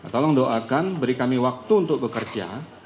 tolong doakan beri kami waktu untuk bekerja